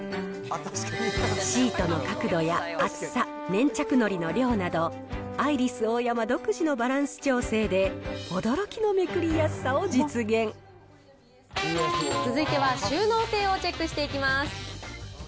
シートの角度や厚さ、粘着のりの量など、アイリスオーヤマ独自のバランス調整で、続いては収納性をチェックしていきます。